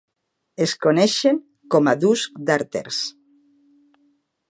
Es coneixen com a Duskdarters.